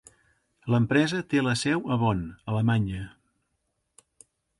L'empresa té la seu a Bonn, Alemanya.